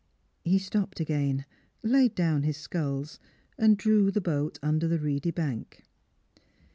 He stopped again, laid down his sculls, and drew the boat under the reedy bank.